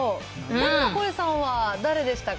天の声さんは誰でしたか？